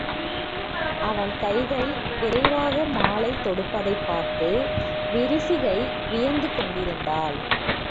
அவன் கைகள் விரைவாக மாலை தொடுப்பதைப் பார்த்து விரிசிகை வியந்து கொண்டிருந்தாள்.